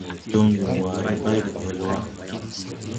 Jɔŋge wããre bay de-ɛl wà.